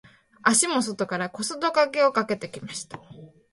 足も外から小外掛けをかけてきました。